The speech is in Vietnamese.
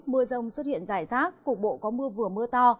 mưa rông xuất hiện rải rác cục bộ có mưa vừa mưa to